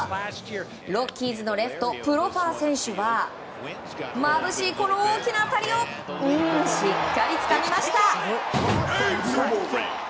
ロッキーズのレフトプロファー選手はまぶしいこの大きな当たりをしっかりつかみました。